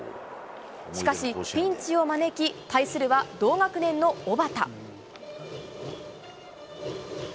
しかし、ピンチを招き、対するは同学年の小幡。